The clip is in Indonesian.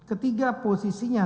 dan ketiga posisinya